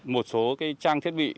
một số cái trang thiết bị